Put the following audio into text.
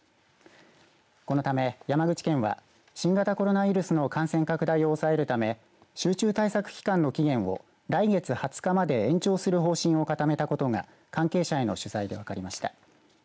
このため、山口県は新型コロナウイルスの感染拡大を抑えるため集中対策期間の期限を来月２０日まで延長する方針を固めたことが関係者への取材で分かりました。